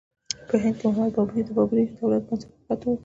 په هند کې محمد بابر د بابري دولت بنسټ په ښه توګه کېښود.